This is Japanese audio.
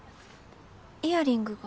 イヤリングが。